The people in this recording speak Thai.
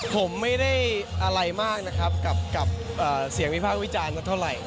ผมไม่ได้อะไรมากนะครับกับเสียงวิพากษ์วิจารณ์สักเท่าไหร่